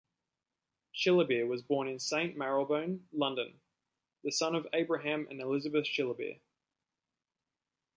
Shillibeer was born in Saint Marylebone, London the son of Abraham and Elizabeth Shillibeer.